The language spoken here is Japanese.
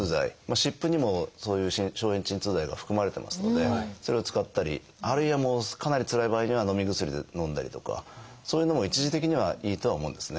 湿布にもそういう消炎鎮痛剤が含まれてますのでそれを使ったりあるいはもうかなりつらい場合にはのみ薬をのんだりとかそういうのも一時的にはいいとは思うんですね。